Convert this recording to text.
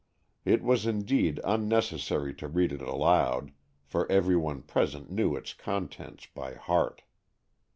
It was indeed unnecessary to read it aloud, for every one present knew its contents by heart.